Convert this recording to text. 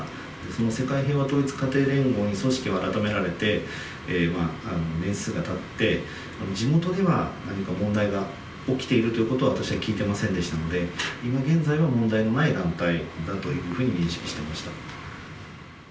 その世界平和統一家庭連合に組織を改められて、年数がたって、地元では何か問題が起きているということは私は聞いてませんでしたので、今現在は問題のない団体だというふうに認識してました。